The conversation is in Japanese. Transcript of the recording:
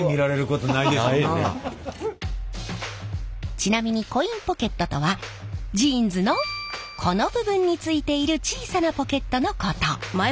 ちなみにコインポケットとはジーンズのこの部分についている小さなポケットのこと。